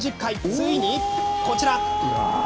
ついにこちら。